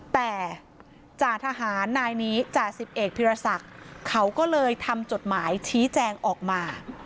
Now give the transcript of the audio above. แต่จากทหารนายนี้จาก๑๑พิราษักรณ์เขาก็เลยทำจดหมายชี้แจงออกมา